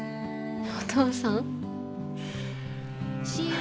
お父さん？